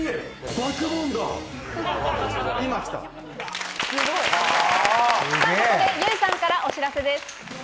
ここでＹＵさんからお知らせです。